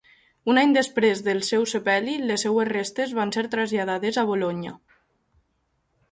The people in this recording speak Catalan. Un any després del seu sepeli, les seues restes van ser traslladades a Bolonya.